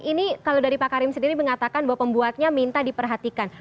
ini kalau dari pak karim sendiri mengatakan bahwa pembuatnya minta diperhatikan